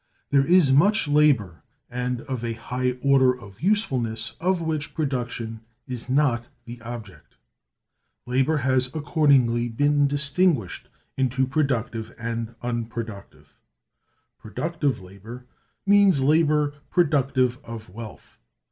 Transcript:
There is much labor, and of a high order of usefulness, of which production is not the object. Labor has accordingly been distinguished into Productive and Unproductive. Productive labor means labor productive of wealth.